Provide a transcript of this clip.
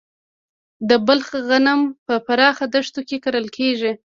د بلخ غنم په پراخه دښتو کې کرل کیږي.